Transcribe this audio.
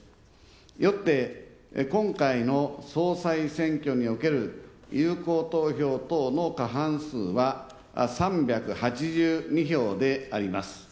よって、今回の総裁選挙における有効投票等の過半数は３８２票であります。